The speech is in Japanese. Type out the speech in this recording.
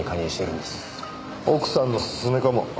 奥さんの勧めかも。